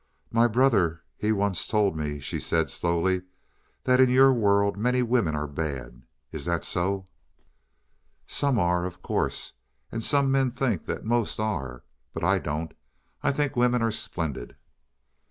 "My brother he once told me," she said slowly, "that in your world many women are bad. Is that so?" "Some are, of course. And some men think that most are. But I don't; I think women are splendid."